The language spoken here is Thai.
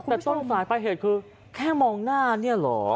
แต่ต้นสายปลายเหตุคือแค่มองหน้าเนี่ยเหรอ